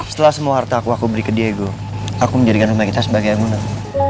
setelah semua harta aku berikan ke diego aku menjadikan rumah kita sebagai emunah